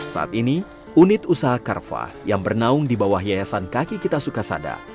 saat ini unit usaha carva yang bernaung di bawah yayasan kaki kita sukasada